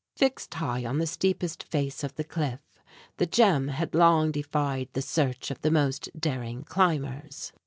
Fixed high on the steepest face of the cliff, the gem had long defied the search of the most daring climbers.